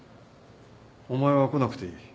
お前は来なくていい。